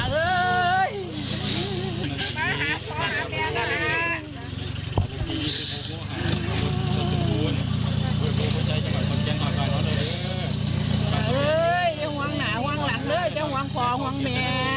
มาหาฟ้าหาแม่น้ำค่ะ